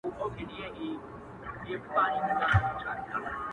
o د ړانده او گونگي ترمنځ جنگ نه پېښېږي.